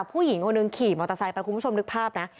ผู้หญิงคนหนึ่งขี่มอเตอร์ไซค์ไปคุณผู้ชมนึกภาพนะ